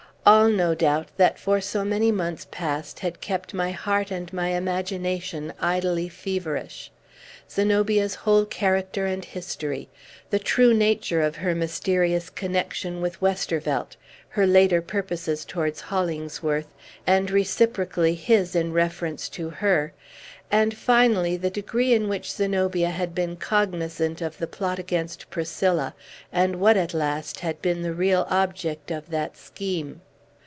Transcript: All, no doubt, that for so many months past had kept my heart and my imagination idly feverish. Zenobia's whole character and history; the true nature of her mysterious connection with Westervelt; her later purposes towards Hollingsworth, and, reciprocally, his in reference to her; and, finally, the degree in which Zenobia had been cognizant of the plot against Priscilla, and what, at last, had been the real object of that scheme.